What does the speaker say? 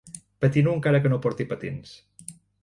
Patino encara que no porti patins.